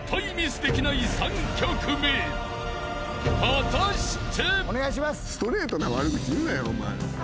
［果たして？］